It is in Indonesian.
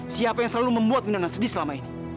siapa yang selalu membuat mina sedih selama ini